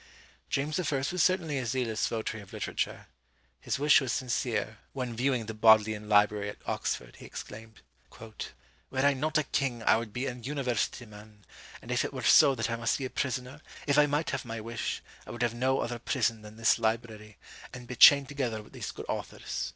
James I. was certainly a zealous votary of literature; his wish was sincere, when at viewing the Bodleian Library at Oxford, he exclaimed, "Were I not a king I would be an university man; and if it were so that I must be a prisoner, if I might have my wish, I would have no other prison than this library, and be chained together with these good authors."